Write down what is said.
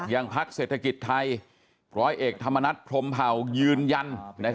พักเศรษฐกิจไทยร้อยเอกธรรมนัฐพรมเผายืนยัน